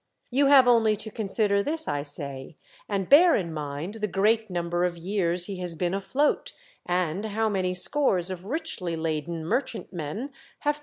You have only to consider this, I say, and bear in mind the great number of years he has been afloat, and how many s;ores of richly laden merchantmen have IMOGENE AND I ARE MUCH TOGETHER.